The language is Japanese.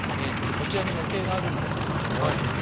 こちらに模型があるんですけれども。